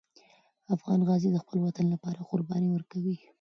افغان غازي د خپل وطن لپاره قرباني ورکوي.